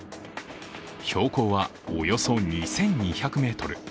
標高はおよそ２２００ｍ。